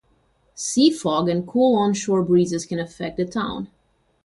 Sea fog and cool onshore breezes can affect the town.